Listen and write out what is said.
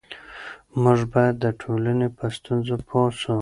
موږ باید د ټولنې په ستونزو پوه سو.